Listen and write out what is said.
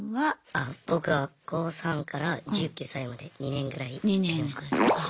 あ僕は高３から１９歳まで２年ぐらいやりました。